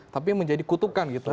tapi menjadi kutukan gitu